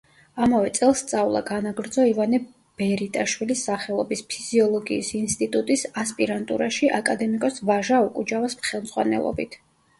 ამავე წელს სწავლა განაგრძო ივანე ბერიტაშვილის სახელობის ფიზიოლოგიის ინსტიტუტის ასპირანტურაში აკადემიკოს ვაჟა ოკუჯავას ხელმძღვანელობით.